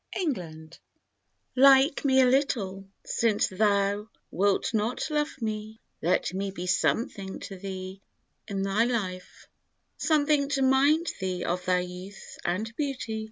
25 TO T IKE me a little, since thou wilt not love me, Let me be something to thee in thy life, Something to 'mind thee of thy youth and beauty.